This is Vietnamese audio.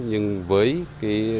nhưng với cái